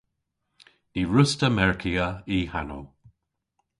Ny wruss'ta merkya y hanow.